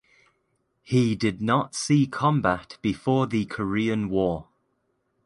He did not see combat before the Korean War.